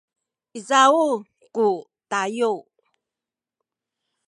izaw ku tayu